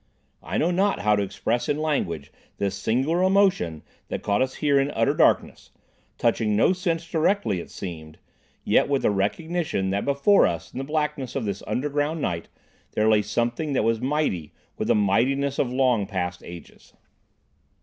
I know not how to express in language this singular emotion that caught us here in utter darkness, touching no sense directly, it seemed, yet with the recognition that before us in the blackness of this underground night there lay something that was mighty with the mightiness of long past ages.